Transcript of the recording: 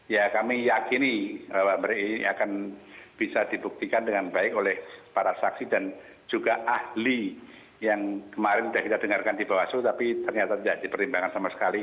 ya kami yakini bahwa ini akan bisa dibuktikan dengan baik oleh para saksi dan juga ahli yang kemarin sudah kita dengarkan di bawaslu tapi ternyata tidak dipertimbangkan sama sekali